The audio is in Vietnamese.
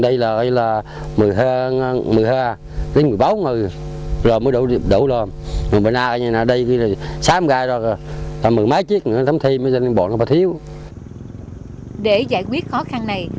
để giải quyết khó khăn này